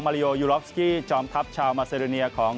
มาริโอยูโรฟสกี้จอมทัพชาวมาเซโดเนียของ